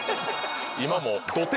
今も。